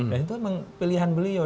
dan itu memang pilihan beliau